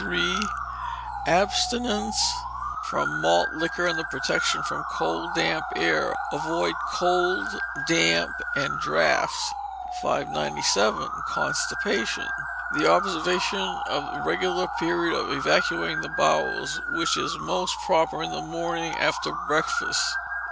43, abstinence from malt liquor, and protection from cold damp air. Avoid cold, damp, and draughts. 597. Constipation. The observance of a regular period of evacuating the bowels, which is most proper in the morning after breakfast.